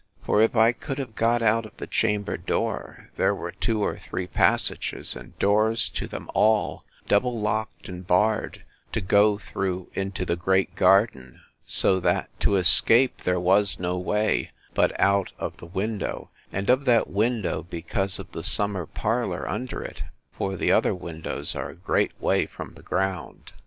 For if I could have got out of the chamber door, there were two or three passages, and doors to them all, double locked and barred, to go through into the great garden; so that, to escape, there was no way, but out of the window; and of that window, because of the summer parlour under it: for the other windows are a great way from the ground.